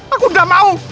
aku tidak mau